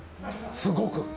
すごく。